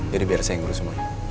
jadi biar saya yang ngurus semuanya